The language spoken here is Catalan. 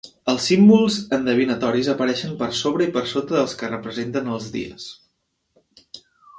Els símbols endevinatoris apareixen per sobre i per sota dels que representen els dies.